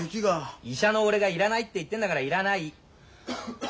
医者の俺が要らないって言ってんだから要らない。